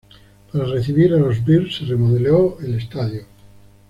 Para recibir a los Bears se remodeló el estadio.